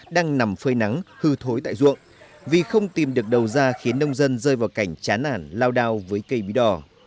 đang nằm phơi nắng hư thối tại ruộng vì không tìm được đầu ra khiến nông dân rơi vào cảnh chán nản lao đao với cây bí đỏ